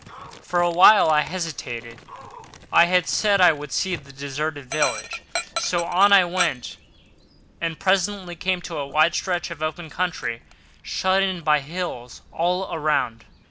For a while I hesitated. I had said I would see the deserted village, so on I went, and presently came on a wide stretch of open country, shut in by hills all around.